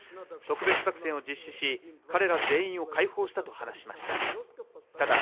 特別作戦を実施し、彼ら全員を解放したと話しました。